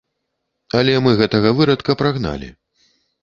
Але мы гэтага вырадка прагналі.